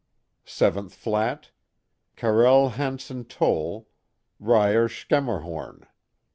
Seventh flat: Carel Hanson Toll, Reyer Schermerhorn.